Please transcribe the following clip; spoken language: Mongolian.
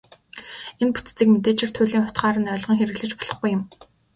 Энэ бүтцийг мэдээжээр туйлын утгаар нь ойлгон хэрэглэж болохгүй юм.